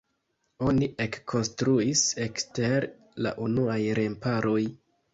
Oni ekkonstruis ekster la unuaj remparoj.